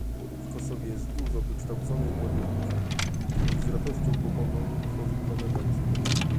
W Kosowie jest dużo wykształconych młodych ludzi, którzy z radością pomogą tworzyć nowe państwo